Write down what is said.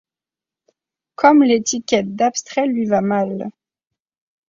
Comme l'étiquette d'abstrait lui va mal.